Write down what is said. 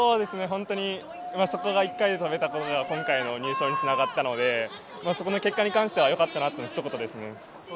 本当にあそこが一回で跳べたことが今回の入賞につながったので、そこの結果に関してはよかったなのひと言ですね。